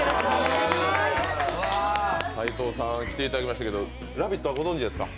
斎藤さんに来ていただきましたけど「ラヴィット！」はご存じですか？